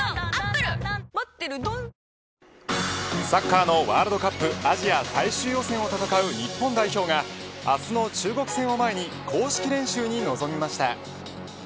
サッカーのワールドカップアジア最終予選を戦う日本代表が明日の中国戦を前に公式練習に臨みました。